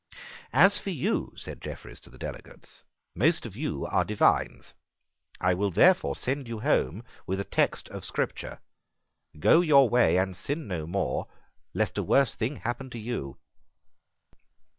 "As for you," said Jeffreys to the delegates, "most of you are divines. I will therefore send you home with a text of scripture, 'Go your way and sin no more, lest a worse thing happen to you.'"